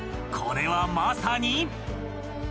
［これはまさに］